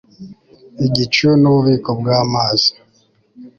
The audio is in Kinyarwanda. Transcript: Igicu nububiko bwamazi